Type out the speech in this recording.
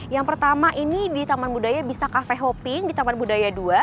yang pertama ini di taman budaya bisa cafe hopping di taman budaya dua